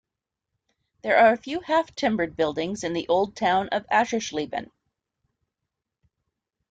There are few half-timbered buildings in the old town of Aschersleben.